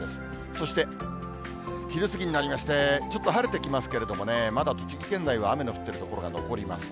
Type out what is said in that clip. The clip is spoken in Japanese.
そして昼過ぎになりまして、ちょっと晴れてきますけれどもね、まだ栃木県内は雨の降っている所が残ります。